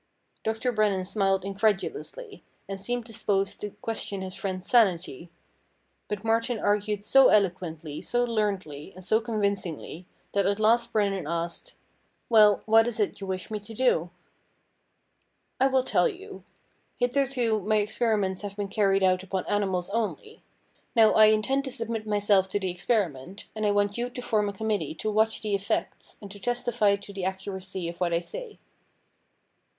Dr. Brennan smiled incredulously, and seemed disposed to question his THE STRANGE STORY OF DR. MARTIN 313 friend's sanity. But Martin argued so eloquently, so learnedly, and so convincingly, that at last Brennan asked :' Well, what is it you wish me to do ?'' I will tell you. Hitherto my experiments have been carried out upon animals only. Now, I intend to submit myself to the experiment, and I want you to form a committee to watch the effects, and to testify to the accuracy of what I say.'